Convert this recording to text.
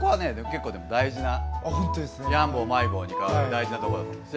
結構でも大事なヤンボールマイボールに変わる大事なとこだと思います。